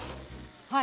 はい。